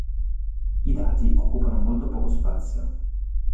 I dati occupano molto poco spazio.